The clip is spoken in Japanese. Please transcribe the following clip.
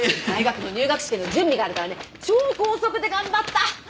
大学の入学試験の準備があるからね超高速で頑張った。